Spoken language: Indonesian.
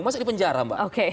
masa di penjara mbak